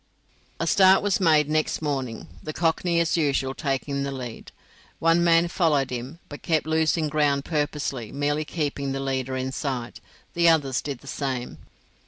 A start was made next morning, the cockney as usual, taking the lead. One man followed him, but kept losing ground purposely, merely keeping the leader in sight; the others did the same.